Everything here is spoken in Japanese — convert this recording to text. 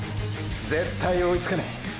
絶対追いつかねぇ！